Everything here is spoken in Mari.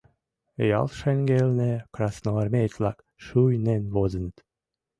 Ял шеҥгелне красноармеец-влак шуйнен возыныт.